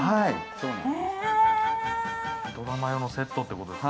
そうなんです。